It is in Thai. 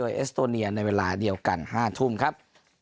เอสโตเนียในเวลาเดียวกัน๕ทุ่มครับ